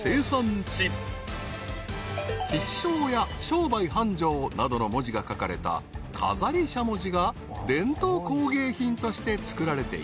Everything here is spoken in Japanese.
［必勝や商売繁盛などの文字が書かれた飾りしゃもじが伝統工芸品として作られている］